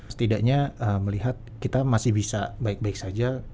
setidaknya melihat kita masih bisa baik baik saja